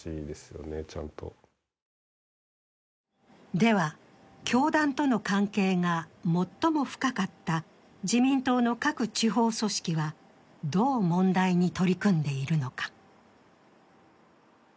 では、教団との関係が最も深かった自民党の各地方組織はどう問題に取り組んでいるのか？